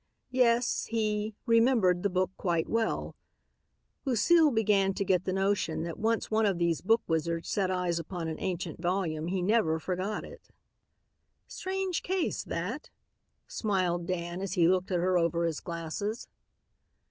Yes, he "remembered the book quite well." Lucile began to get the notion that once one of these book wizards set eyes upon an ancient volume he never forgot it. "Strange case, that," smiled Dan as he looked at her over his glasses.